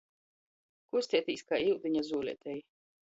Kusteitīs kai iudiņa zuoleitei.